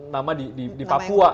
nama di papua